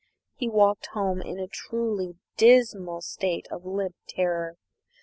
He walked home in a truly dismal state of limp terror.